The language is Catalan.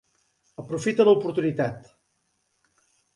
Aprofita l'oportunitat.